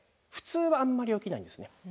普通はあんまり起きないんですね。